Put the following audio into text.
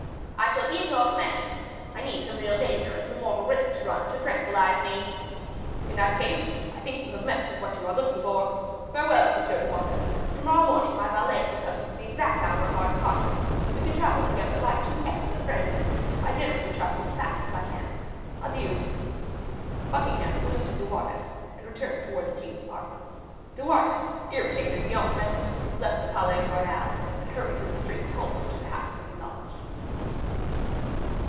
"I shall be at your commands. I needed some real danger and some mortal risk to run, to tranquilize me." "In that case, I think you have met with what you are looking for. Farewell, M. de Wardes; to morrow morning, my valet will tell you the exact hour of our departure; we can travel together like two excellent friends. I generally travel as fast as I can. Adieu." Buckingham saluted De Wardes, and returned towards the king's apartments; De Wardes, irritated beyond measure, left the Palais Royal, and hurried through the streets homeward to the house where he lodged.